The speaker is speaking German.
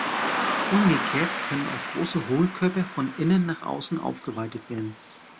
Umgekehrt können auch große Hohlkörper von innen nach außen aufgeweitet werden.